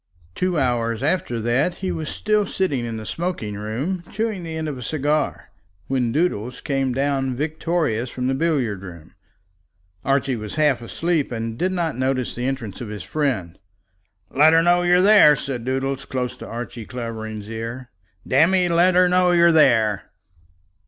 Two hours after that he was still sitting in the smoking room, chewing the end of a cigar, when Doodles came down victorious from the billiard room. Archie was half asleep, and did not notice the entrance of his friend. "Let her know that you're there," said Doodles, close into Archie Clavering's ear, "damme, let her know that you're there."